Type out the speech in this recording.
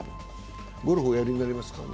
ゴルフはおやりになりますか。